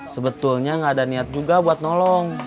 sebetulnya nggak ada niat juga buat nolong